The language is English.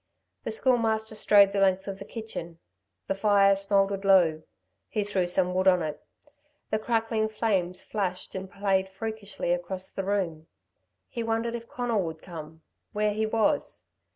The Schoolmaster strode the length of the kitchen. The fire smouldered low. He threw some wood on it. The crackling flames flashed and played freakishly across the room. He wondered if Conal would come where he was.